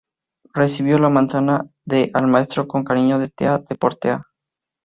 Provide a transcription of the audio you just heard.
Recibió la manzana de "Al maestro con Cariño" de Tea-Deportea.